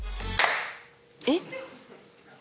えっ？